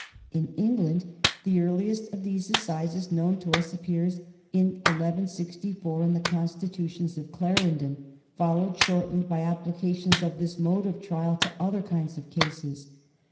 In England the earliest of these assizes known to us appears in 1164 in the Constitutions of Clarendon, followed shortly by applications of this mode of trial to other kinds of cases.